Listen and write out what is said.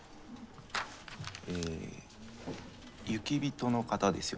え雪人の方ですよね？